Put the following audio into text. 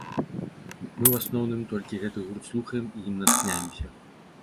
Мы ў асноўным толькі гэты гурт слухаем і ім натхняемся.